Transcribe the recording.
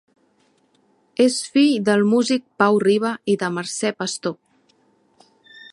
És fill del músic Pau Riba i de Mercè Pastor.